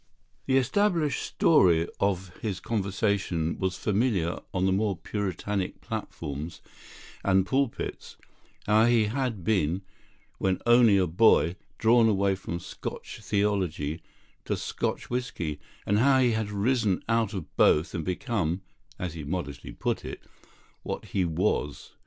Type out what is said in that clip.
The established story of his conversion was familiar on the more puritanic platforms and pulpits, how he had been, when only a boy, drawn away from Scotch theology to Scotch whisky, and how he had risen out of both and become (as he modestly put it) what he was.